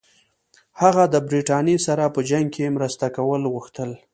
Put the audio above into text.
هغه د برټانیې سره په جنګ کې مرسته کول غوښتل.